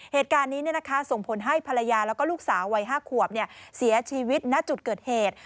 เหตุการณ์นี้ส่งผลให้ภรรยาแล้วก็ลูกสาววัย๕ขวบเสียชีวิตณจุดเกิดเหตุ